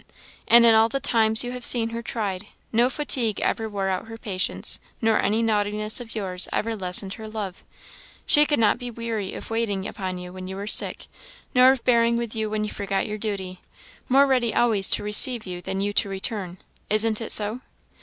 And in all the times you have seen her tried, no fatigue ever wore out her patience, nor any naughtiness of yours ever lessened her love; she could not be weary of waiting upon you when you were sick, nor of bearing with you when you forgot your duty more ready always to receive you than you to return. Isn't it so?"